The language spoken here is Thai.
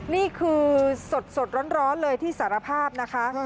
นี่คือสดร้อนเลยที่สารภาพนะคะ